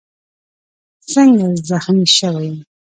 څنګه زخمي شوی یې؟